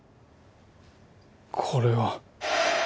これは。